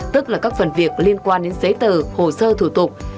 tức là các phần việc liên quan đến giấy tờ hồ sơ thủ tục